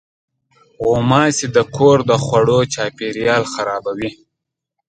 غوماشې د کور د خوړو چاپېریال خرابوي.